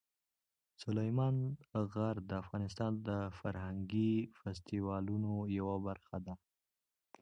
سلیمان غر د افغانستان د فرهنګي فستیوالونو یوه برخه ده.